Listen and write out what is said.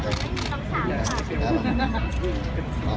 เอ๋อคะไอรีฟร์ดี่ซาไอรีฟร์ดี่ซา